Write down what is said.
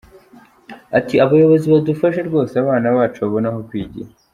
Ati “Abayobozi badufashe rwose abana bacu babone aho kwigira.